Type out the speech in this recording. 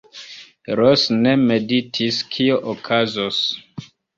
Ros ne meditis, kio okazos.